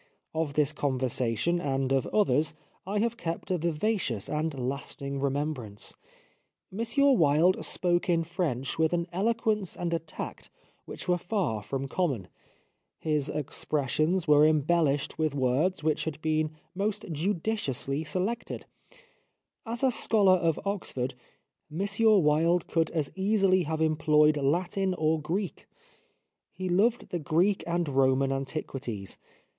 Of this conversation and of others I have kept a vivacious and lasting remembrance. M. Wilde spoke in French with an eloquence and a tact which were far from common. His expressions were embellished 285 The Life of Oscar Wilde with words which had been most judiciously selected. As a scholar of Oxford, M. Wilde could as easily have employed Latin or Greek. He loved the Greek and Roman antiquities.